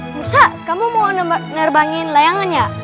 musa kamu mau nerbangin layangan ya